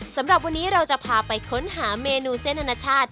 สำหรับวันนี้เราจะพาไปค้นหาเมนูเส้นอนาชาติ